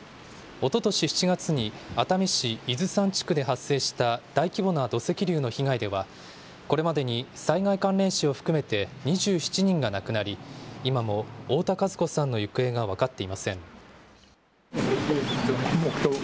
おととし７月に、熱海市伊豆山地区で発生した大規模な土石流の被害では、これまでに災害関連死を含めて２７人が亡くなり、今も太田和子さんの行方が分かっていません。